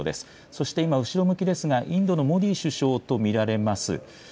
そして今、後ろ向きですが、インドのモディ首相と見られます。